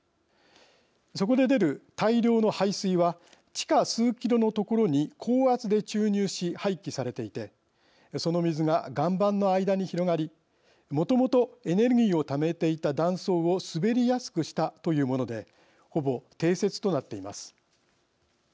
そこで出る大量の廃水は地下数キロのところに高圧で注入し廃棄されていてその水が岩盤の間に広がりもともとエネルギーをためていた断層を滑りやすくしたというものでほぼ定説となっています。